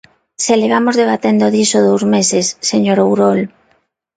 Se levamos debatendo diso dous meses, señor Ourol.